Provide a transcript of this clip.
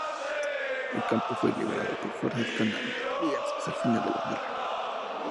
El campo fue liberado por fuerzas canadienses al final de la guerra.